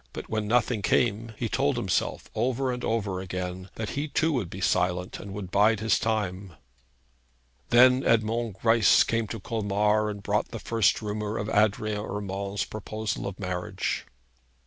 But when nothing came, he told himself over and over again that he too would be silent, and would bide his time. Then Edmond Greisse had come to Colmar, and brought the first rumour of Adrian Urmand's proposal of marriage.